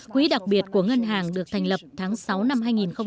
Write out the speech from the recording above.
quỹ đặc biệt của ngân hàng được thành lập tháng sáu năm hai nghìn một mươi bảy